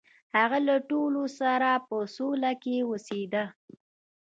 هغه له ټولو سره په سوله کې اوسیده.